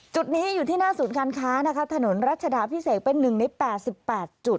จุดนี้อยู่ที่หน้าศูนย์การค้านะคะถนนรัชดาพิเศษเป็น๑ใน๘๘จุด